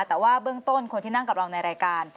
แต่ว่าเบื้องต้นคนที่นั่งกับเราในรายการ